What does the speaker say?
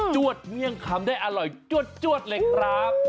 วดเมี่ยงคำได้อร่อยจวดเลยครับ